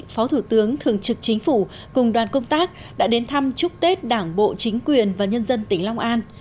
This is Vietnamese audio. phó thủ tướng thường trực chính phủ cùng đoàn công tác đã đến thăm chúc tết đảng bộ chính quyền và nhân dân tỉnh long an